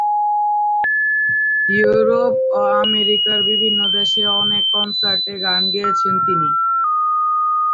Europe ও আমেরিকার বিভিন্ন দেশে অনেক কনসার্টে গান গেয়েছেন তিনি।